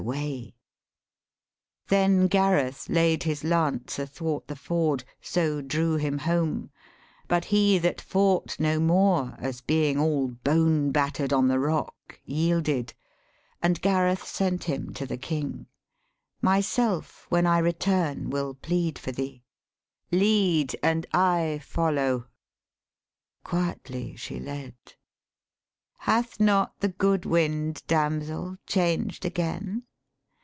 192 EPIC POETRY Then Gareth laid his lance athwart the ford; So drew him home; but he that fought no more, As being all bone batter'd on the rock, Yielded; and Gareth sent him to the King. 'Myself when I return will plead for thee. Lead, and I follow.' Quietly she led. 'Hath not the good wind, damsel, changed again?'